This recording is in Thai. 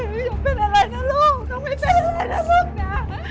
ไม่อยากเป็นอะไรนะลูกไม่อยากเป็นอะไรนะลูกนะ